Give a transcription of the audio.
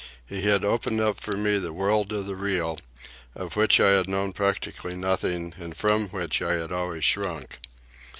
He had opened up for me the world of the real, of which I had known practically nothing and from which I had always shrunk.